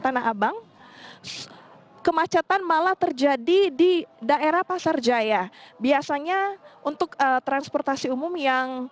tanah abang kemacetan malah terjadi di daerah pasar jaya biasanya untuk transportasi umum yang